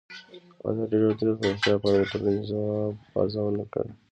ازادي راډیو د روغتیا په اړه د ټولنې د ځواب ارزونه کړې.